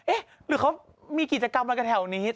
หรือเขามีกิจกรรมอะไรกันแถวนี้